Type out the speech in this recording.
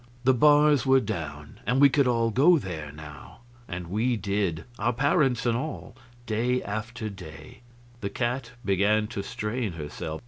The bars were down, and we could all go there now, and we did our parents and all day after day. The cat began to strain herself.